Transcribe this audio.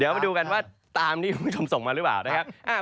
เดี๋ยวมาดูกันว่าตามที่คุณผู้ชมส่งมาหรือเปล่านะครับ